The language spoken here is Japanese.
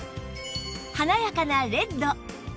華やかなレッド